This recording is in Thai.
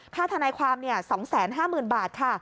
ทนายความ๒๕๐๐๐บาทค่ะ